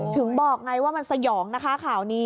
ถึงบอกไงว่ามันสยองนะคะข่าวนี้